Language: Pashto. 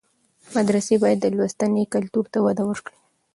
مدرسې باید د لوستنې کلتور ته وده ورکړي.